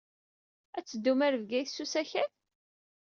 Ad teddum ɣer Bgayet s usakal?